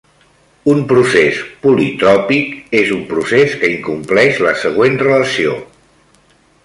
Un procés politròpic és un procés que incompleix la següent relació